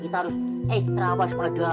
kita harus extra awas pada